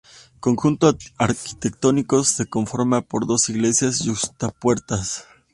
El conjunto arquitectónico se conforma por dos iglesias yuxtapuestas.